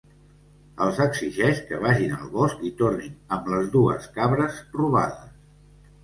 Els exigeix que vagin al bosc i tornin amb les dues cabres robades.